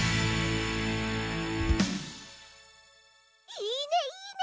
いいねいいね！